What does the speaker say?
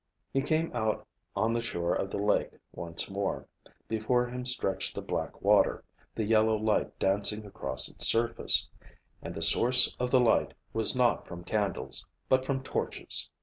He came out on the shore of the lake once more. Before him stretched the black water, the yellow light dancing across its surface. And the source of the light was not from candles, but from torches!